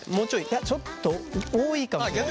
いやちょっと多いかもしれない。